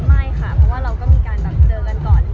ไม่ค่ะเพราะว่าเราก็มีการเจอกันก่อนที่จะไปกันแล้ว